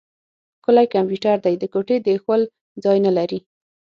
ښکلی کمپيوټر دی؛ د ګوتې د اېښول ځای نه لري.